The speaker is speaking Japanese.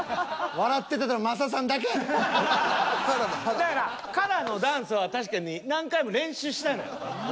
だからＫＡＲＡのダンスは確かに何回も練習したのよ。